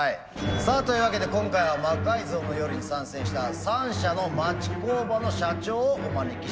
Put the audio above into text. さあというわけで今回は「魔改造の夜」に参戦した３社の町工場の社長をお招きしました。